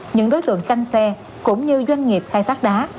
những đối tượng canh xe cũng như doanh nghiệp khai thác đá